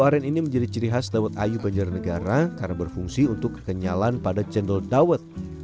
waren ini menjadi ciri khas dawet ayu banjarnegara karena berfungsi untuk kekenyalan pada cendol dawet